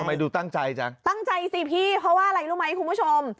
ทำไมดูตั้งใจจังตั้งใจสิพี่เพราะว่าอะไรรู้ไหมคุณผู้ชม